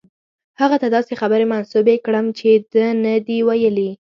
هغه ته داسې خبرې منسوبې کړم چې ده نه دي ویلي.